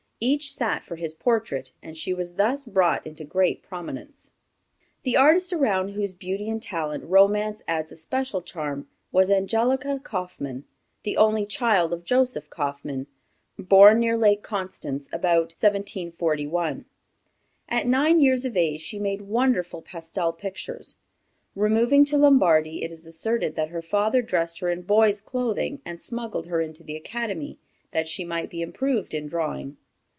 Each sat for his portrait, and she was thus brought into great prominence. The artist around whose beauty and talent romance adds a special charm, was Angelica Kauffman, the only child of Joseph Kauffman, born near Lake Constance, about 1741. At nine years of age she made wonderful pastel pictures. Removing to Lombardy, it is asserted that her father dressed her in boy's clothing, and smuggled her into the academy, that she might be improved in drawing.